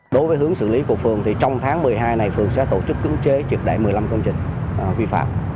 đối với hướng xử lý của phường thì trong tháng một mươi hai này phường sẽ tổ chức cứng chế trượt đại một mươi năm công trình vi phạm